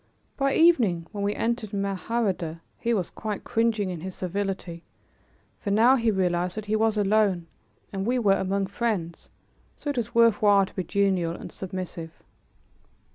By evening, when we entered Mahardeh, he was quite cringing in his servility, for now he realized that he was alone and we were among friends, so it was worth while to be genial and submissive.